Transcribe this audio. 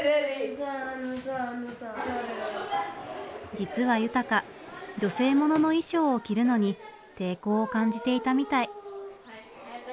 実は悠鷹女性ものの衣装を着るのに抵抗を感じていたみたい。